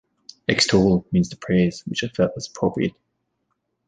'Extol' means to praise, which I felt was appropriate...